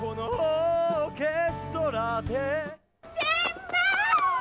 先輩！